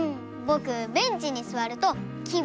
ぼくベンチにすわるとき